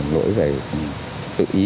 lỗi về tự ý